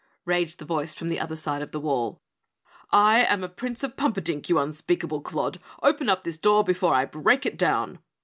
raged the voice from the other side of the wall. "I am a Prince of Pumperdink, you unspeakable clod. Open up this door before I break it down!"